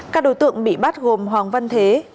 các đối tượng bị bắt gồm hoàng văn thế